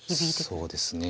そうですね。